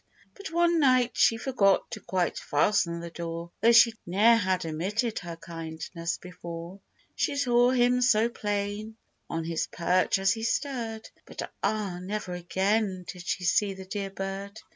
But one night she forgot to quite fasten the door Though she ne'er had omitted her kindness before. GEORGE AND HIS CANARY. 83 She saw him so plain on his perch as he stirred, But ah, never again did she see the dear bird